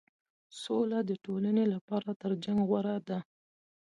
سوله د ټولنې لپاره تر جنګ غوره ده.